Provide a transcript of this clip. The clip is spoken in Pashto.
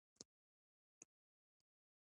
زۀ به ئې فرېنډ لسټ ته اېډ کړم -